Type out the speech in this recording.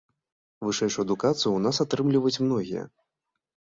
Вышэйшую адукацыю ў нас атрымліваюць многія.